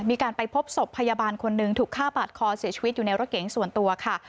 มีการไปพบศพพยาบาลคนหนึ่งถูกฆ่าปาดคอเสียชีวิตอยู่ในรถเก๋งส่วนตัวค่ะ